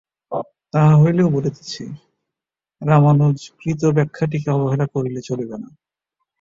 তাহা হইলেও বলিতেছি, রামানুজকৃত ব্যাখ্যাটিকে অবহেলা করা চলিবে না।